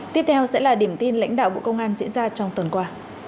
tiếp theo sẽ là điểm tin lãnh đạo bộ công an diễn ra trong tuần qua